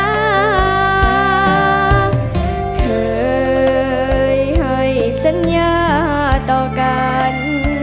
เคยให้สัญญาต่อกัน